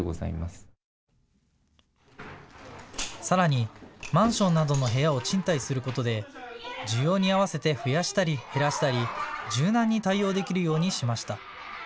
さらにマンションなどの部屋を賃貸することで需要に合わせて増やしたり減らしたり柔軟に対応できるようにしました。